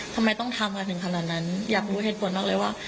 ทำไมต้องทำกันถึงขนาดนั้นอยากรู้เหตุผลมากเลยว่า